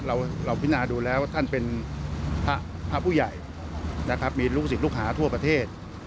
เราพินาดูแล้วว่าท่านเป็นพระผู้ใหญ่นะครับ